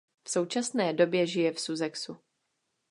V současné době žije v Sussexu.